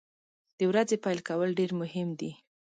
د ورځې پیل کول ډیر مهم دي.